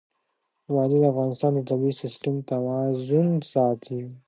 وادي د افغانستان د طبعي سیسټم توازن ساتي.